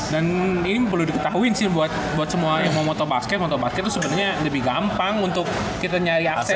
dan ini perlu diketahuin sih buat semua yang mau moto basket moto basket itu sebenarnya lebih gampang untuk kita nyari aksesnya